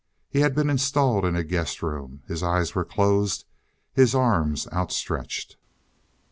He had been installed in a guest room. His eyes were closed, his arms outstretched.